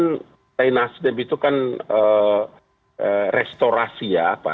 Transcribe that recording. partai nasdem itu kan restorasi ya